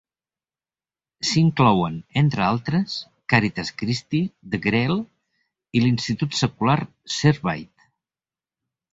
S'hi inclouen, entre altres, Caritas Christi, The Grail i l'institut secular Servite.